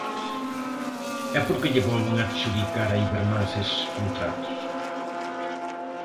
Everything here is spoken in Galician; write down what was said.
¿E por que lle volven adxudicar a Ibermansa eses contratos?